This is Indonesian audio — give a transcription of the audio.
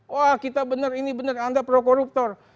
wah kita benar ini benar anda pro koruptor